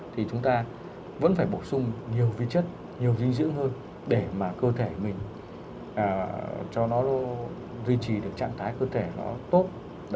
thì chúng ta vẫn phải bổ sung nhiều vi chất nhiều dinh dưỡng hơn để mà cơ thể mình cho nó duy trì được trạng thái cơ thể nó tốt